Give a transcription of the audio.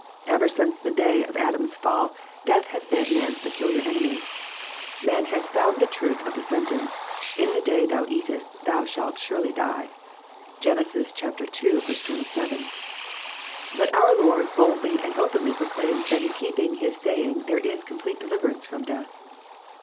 Ever since the day of Adam's fall death has been man's peculiar enemy. Man has found the truth of the sentence, In the day thoa eatest thou shalt surely die." (Gen. ii. 27.) But our Lord boldly and openly proclaims that in keeping His saying there is complete deliverance f^om death.